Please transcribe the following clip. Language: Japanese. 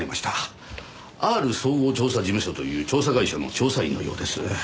アール総合調査事務所という調査会社の調査員のようです。